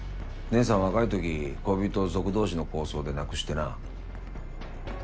姐さん若いとき恋人を族同士の抗争で亡くしてな。